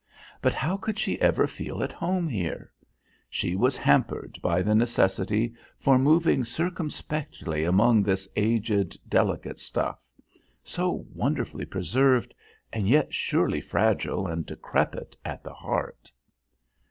But how could she ever feel at home there? She was hampered by the necessity for moving circumspectly among this aged delicate stuff; so wonderfully preserved and yet surely fragile and decrepit at the heart.